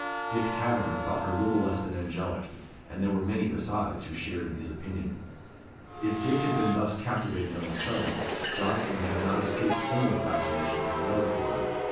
Dick Taverner thought her little less than angelic, and there were many besides who shared in his opinion. If Dick had been thus captivated on the sudden, Jocelyn had not escaped similar fascination from another quarter.